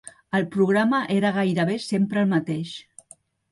El programa era gairebé sempre el mateix.